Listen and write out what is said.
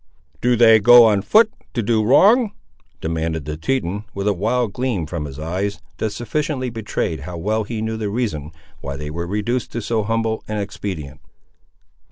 "Do they go on foot to do wrong?" demanded the Teton, with a wild gleam from his eyes, that sufficiently betrayed how well he knew the reason why they were reduced to so humble an expedient.